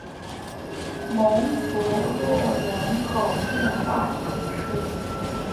蒙博洛人口变化图示